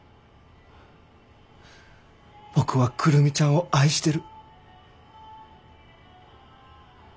僕は久留美ちゃんを愛してる。